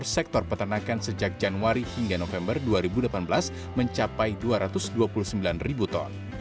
sektor peternakan sejak januari hingga november dua ribu delapan belas mencapai dua ratus dua puluh sembilan ribu ton